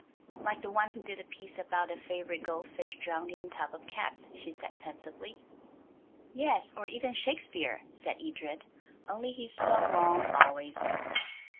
"Like the one who did the piece about the favourite gold fish drowned in a tub of cats," she said pensively. "Yes, or even Shakespeare," said Edred; "only he's so long always."